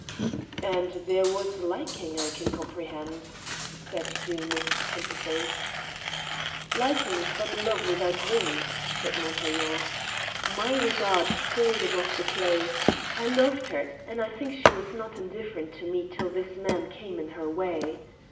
"And there was liking; I can comprehend," said Doom with sympathy. "Liking is but love without wings," said Montaiglon. "My regard soared above the clay; I loved her, and I think she was not indifferent to me till this man came in her way.